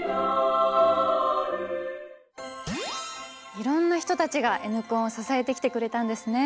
いろんな人たちがＮコンを支えてきてくれたんですね。